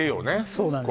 そうなんです